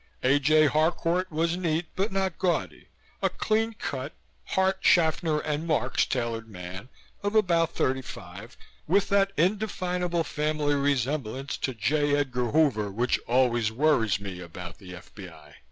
A. J. Harcourt was neat but not gaudy: a clean cut, Hart, Shaffner and Marx tailored man of about thirty five, with that indefinable family resemblance to J. Edgar Hoover which always worries me about the F.B.I.